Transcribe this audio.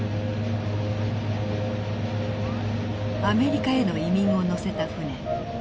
アメリカへの移民を乗せた船。